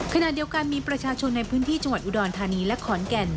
ขณะเดียวกันมีประชาชนในพื้นที่จังหวัดอุดรธานีและขอนแก่น